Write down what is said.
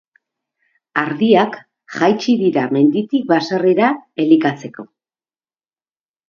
Ardiak jaitsi dira menditik baserrira, elikatzeko.